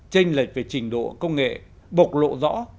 tranh lệch về trình độ công nghệ bộc lộ rõ